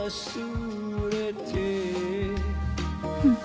うん。